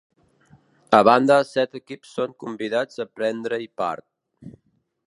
A banda, set equips són convidats a prendre-hi part.